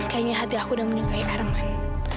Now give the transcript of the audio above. kayaknya hati aku udah menyukai arman